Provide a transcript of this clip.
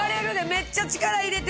めっちゃ力入れてる！